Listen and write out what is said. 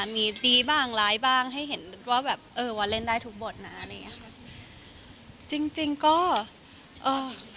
มีดีบ้างร้ายบ้างให้เห็นว่าแบบเออว่าเล่นได้ทุกบทนะอะไรอย่างเงี้ค่ะจริงจริงก็เอ่อ